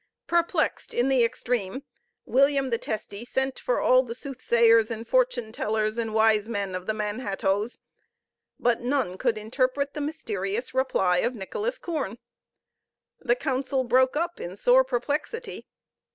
Perplexed in the extreme, William the Testy sent for all the soothsayers and fortune tellers and wise men of the Manhattoes, but none could interpret the mysterious reply of Nicholas Koorn. The council broke up in sore perplexity.